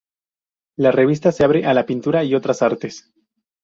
La revista se abre a la pintura y otras artes.